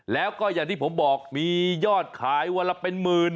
แล้วก็อย่างที่ผมบอกมียอดขายวันละเป็นหมื่น